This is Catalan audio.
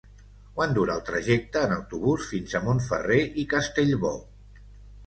Quant dura el trajecte en autobús fins a Montferrer i Castellbò?